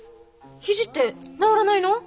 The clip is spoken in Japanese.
ヒジって治らないの？